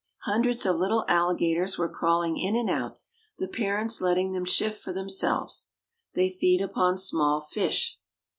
Hundreds of little alligators were crawling in and out, the parents letting them shift for themselves. They feed upon small fish.